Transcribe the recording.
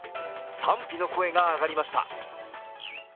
賛否の声が上がりました。